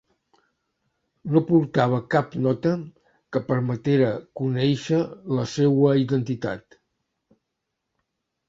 No portava cap nota que permetera conèixer la seua identitat.